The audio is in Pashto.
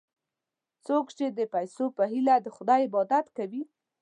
څوک چې د پیسو په هیله د خدای عبادت کوي.